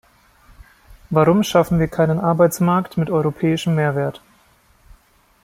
Warum schaffen wir keinen Arbeitsmarkt mit europäischem Mehrwert?